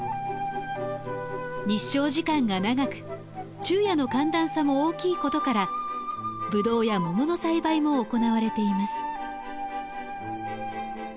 日照時間が長く昼夜の寒暖差も大きいことからブドウやモモの栽培も行われています。